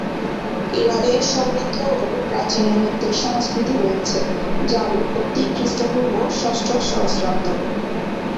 ইরানের সমৃদ্ধ ও প্রাচীন নৃত্যের সংস্কৃতি রয়েছে, যার উৎপত্তি খ্রিস্টপূর্ব ষষ্ঠ সহস্রাব্দ।